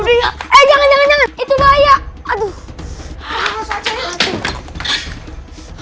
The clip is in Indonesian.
aduh aduh aduh